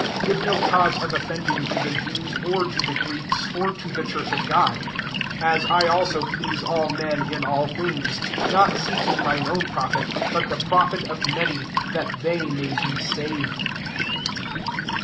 32 Give no cause of of fending to the Jews, or to the Greeks, or to the church of God: 33 as I also please all men in all things ; not seeking mine own profit, but the firqfit of many, that they may be sav ed.